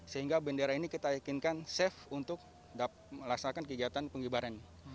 sehingga bendera ini kita yakinkan safe untuk melaksanakan kegiatan pengibaran